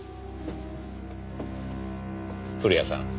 古谷さん